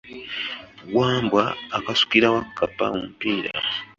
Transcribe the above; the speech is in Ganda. Wambwa akasukira Wakkapa omupiira.